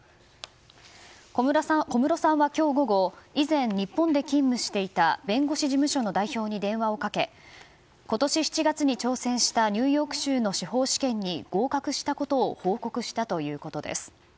小室さんは今日午後以前、日本で勤務していた弁護士事務所の代表に電話をかけ今年７月に挑戦したニューヨーク州の司法試験に合格したことを報告したということです。